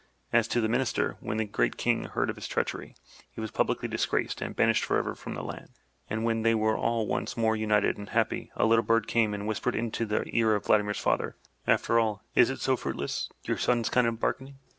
As to the Minister, when the Great King heard of his treachery, he was publicly disgraced and banished forever from the land. And when they were all once more united and happy, a little bird came and whispered into the ear of Vladimir's father: "After all, is it so fruitless — your son's kind of bargaining?"